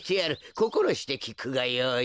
こころしてきくがよい。